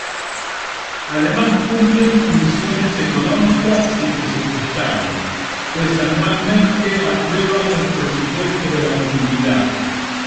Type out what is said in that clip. Además cumplen funciones económicas y presupuestarias, pues anualmente aprueban los presupuestos de la Comunidad.